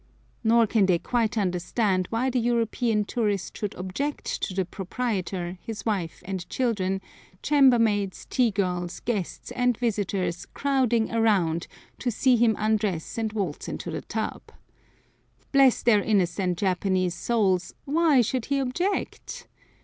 Nor can they quite understand why the European tourist should object to the proprietor, his wife and children, chambermaids, tea girls, guests and visitors crowding around to see him undress and waltz into the tub. Bless their innocent Japanese souls! why should he object.